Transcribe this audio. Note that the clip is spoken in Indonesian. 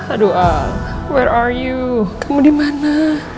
aduh al where are you kamu dimana